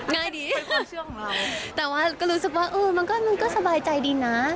ง่ายดีแต่ว่าก็รู้สึกว่ามันก็สบายใจดีนะ